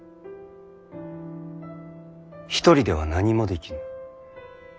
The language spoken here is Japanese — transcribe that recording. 一人では何もできぬ。